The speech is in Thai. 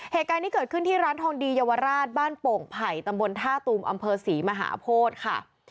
เหตุการณ์นี้เกิดขึ้นที่ร้านทองดีเยาวราชบ้านโป่งไผ่ตำบลท่าตูมอำเภอศรีมหาโพธิค่ะ